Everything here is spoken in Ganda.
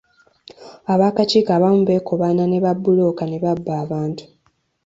Ab'akakiiko abamu beekobaana ne babbulooka ne babba abantu.